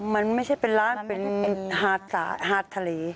มันไม่ใช่เป็นร้านเป็นหาดทะเล